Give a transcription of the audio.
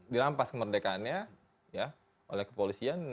dirampas kemerdekaannya oleh kepolisian